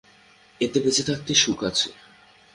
এতে বেঁচে থাকতে সুখ আছে।